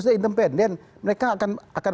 sudah independen mereka akan